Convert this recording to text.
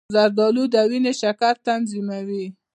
زردآلو د وینې شکر تنظیموي.